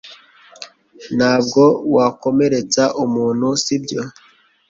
Ntabwo wakomeretsa umuntu, sibyo?